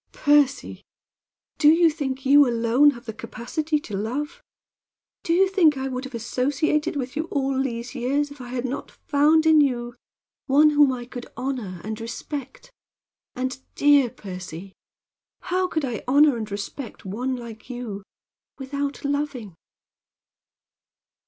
"Percy, do you think you alone have the capacity to love? Do you think I would have associated with you all these years if I had not found in you one whom I could honor and respect? And, dear Percy, how could I honor and respect one like you, without loving?"